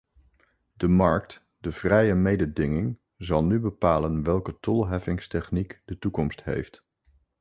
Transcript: De markt, de vrije mededinging zal nu bepalen welke tolheffingstechniek de toekomst heeft.